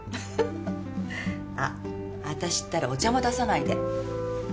あっ私ったらお茶も出さないで。